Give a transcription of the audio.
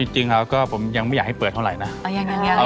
จริงครับก็ผมยังไม่อยากให้เปิดเท่าไหร่นะ